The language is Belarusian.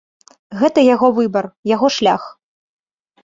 Гэта яго выбар, яго шлях.